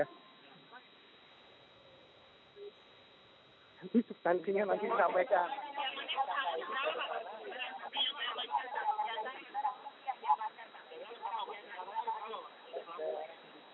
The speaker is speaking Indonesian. nanti nanti disampaikan